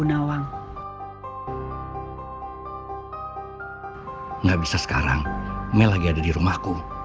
kayaknya bigbang susu sisa berubah